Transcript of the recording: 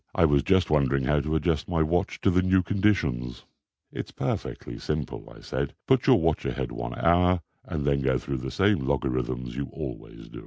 I was just wondering how to adjust my watch to the new conditions." "It's perfectly simple," I said. "Put your watch ahead one hour, and then go through the same logarithms you always do."